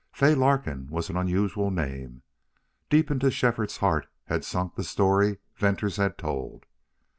Fay Larkin was an unusual name. Deep into Shefford's heart had sunk the story Venters had told.